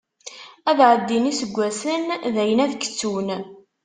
Ad ɛeddin iseggasen, dayen ad k-ttun.